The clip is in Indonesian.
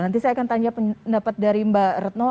nanti saya akan tanya pendapat dari mbak retno